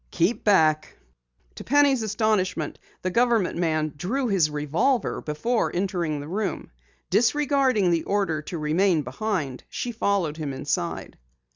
Keep back." To Penny's astonishment the government man drew his revolver before entering the room. Disregarding the order to remain behind, she followed him inside.